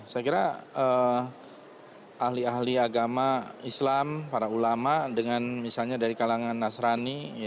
saya kira ahli ahli agama islam para ulama dengan misalnya dari kalangan nasrani